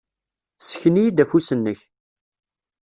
Ssken-iyi-d afus-nnek.